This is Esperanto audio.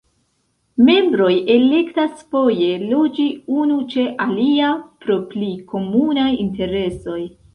Membroj elektas foje loĝi unu ĉe alia pro pli komunaj interesoj.